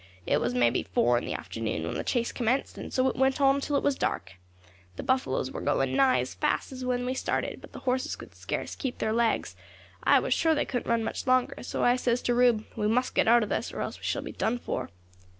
It was may be four in the afternoon when the chase commenced, and so it went on till it was dark. The buffaloes war going nigh as fast as when we started, but the horses could scarce keep their legs; I was sure they couldn't run much longer, so I says to Rube, 'We must get out of this, or else we shall be done for.'